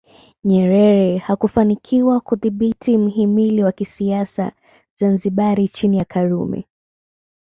Nyerere hakufanikiwa kudhibiti mhimili wa kisiasa Zanzibar chini ya Karume